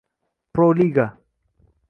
Pro-Liga